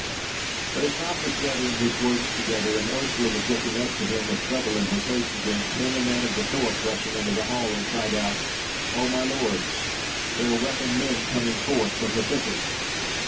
But as Ralph was gathering his words together, and Ursula was looking up to him with trouble in her face again, came a man of the thorp rushing into the hall, and cried out: "O, my lords! there are weaponed men coming forth from the thicket.